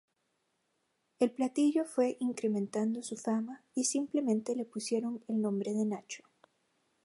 El platillo fue incrementando su fama, y simplemente le pusieron el nombre de nacho.